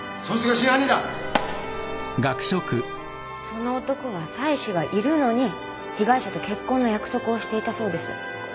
その男は妻子がいるのに被害者と結婚の約束をしていたそうです。